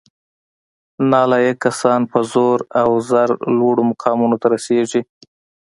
نالایق کسان په زور او زر لوړو مقامونو ته رسیږي